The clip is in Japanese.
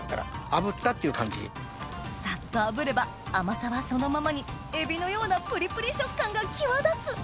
さっと炙れば甘さはそのままにエビのようなプリプリ食感が際立つ！